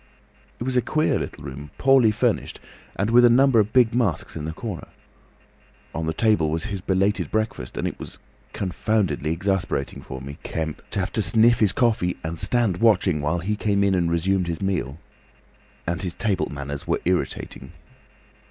"It was a queer little room, poorly furnished and with a number of big masks in the corner. On the table was his belated breakfast, and it was a confoundedly exasperating thing for me, Kemp, to have to sniff his coffee and stand watching while he came in and resumed his meal. And his table manners were irritating.